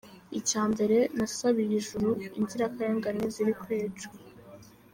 Icya mbere, nasabiye ijuru inzirakarengane ziri kwicwa.